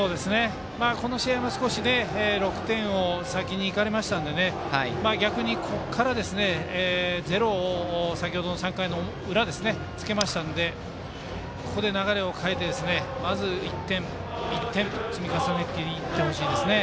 この試合も６点を先にいかれましたので逆にここからゼロを先ほど３回の裏でつけたので、ここで流れを変えてまず１点、１点と積み重ねていってほしいですね。